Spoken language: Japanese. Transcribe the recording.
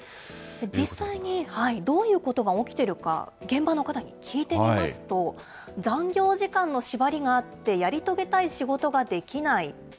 実際にどういうことが起きているか、現場の方に聞いてみますと、残業時間の縛りがあって、やり遂げたい仕事ができない。